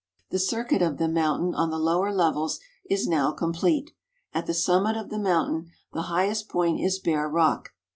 The circuit of the mountain on the lower levels is now com plete. At the summit of the mountain the highest point is bare rock.